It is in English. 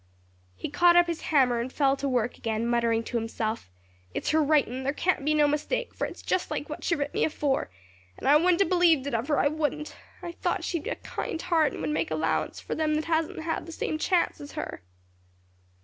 He caught up his hammer and fell to work again, muttering to himself, "It's her writin'; there can't be no mistake; fur it's just like what she writ me afore. And I wouldn't a' believed it of her, I wouldn't; I thought she'd a kind heart and would make allowance fur them that hasn't had the same chance as her."